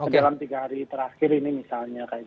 dalam tiga hari terakhir ini misalnya